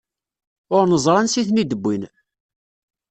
Ur neẓri ansi i ten-id-wwin.